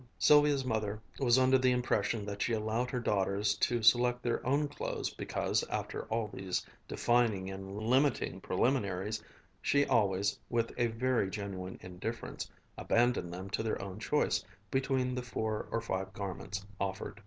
Sylvia's mother was under the impression that she allowed her daughters to select their own clothes because, after all these defining and limiting preliminaries, she always, with a very genuine indifference, abandoned them to their own choice between the four or five garments offered.